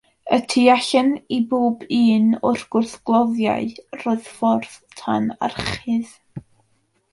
Y tu allan i bob un o'r gwrthgloddiau roedd ffordd tan orchudd.